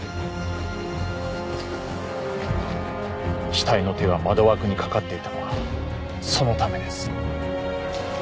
死体の手が窓枠に掛かっていたのはそのためです。